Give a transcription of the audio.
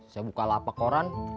saya buka lapak koran